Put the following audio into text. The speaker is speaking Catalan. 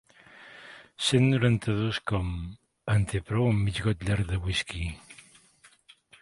Cent noranta-dos com, en té prou amb mig got llarg de whisky.